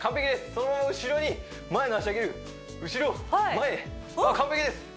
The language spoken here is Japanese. そのまま後ろに前の足を上げる後ろ前完璧です